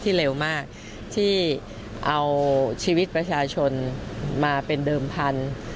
เร็วมากที่เอาชีวิตประชาชนมาเป็นเดิมพันธุ์